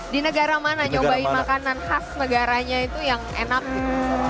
di negara mana nyobain makanan khas negaranya itu yang enak gitu